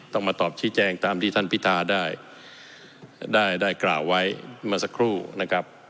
ต้องมาตอบชี้แจงตามที่ท่านพิธาได้ได้กล่าวไว้เมื่อสักครู่นะครับ